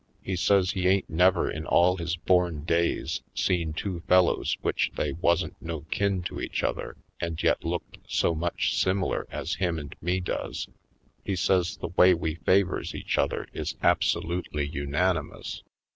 He says he ain't never in all his born days seen two fellows which they wasn't no kin to each other and yet looked so much similar as him and me does. He says the way we favors each other is absolutely unanimous.